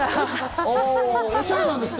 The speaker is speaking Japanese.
おしゃれなんですか？